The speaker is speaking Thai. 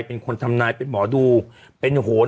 เป็นคนทำนายเป็นหมอดูเป็นโหน